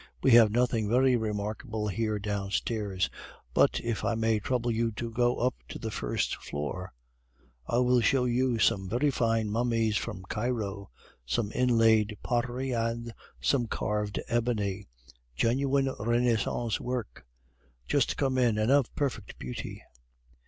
We have nothing very remarkable here downstairs; but if I may trouble you to go up to the first floor, I will show you some very fine mummies from Cairo, some inlaid pottery, and some carved ebony genuine Renaissance work, just come in, and of perfect beauty."